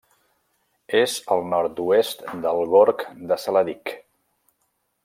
És al nord-oest del Gorg de Saladic.